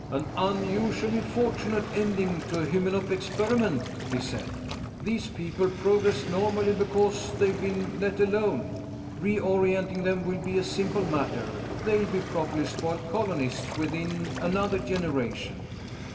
"An unusually fortunate ending to a Hymenop experiment," he said. "These people progressed normally because they've been let alone. Reorienting them will be a simple matter; they'll be properly spoiled colonists within another generation."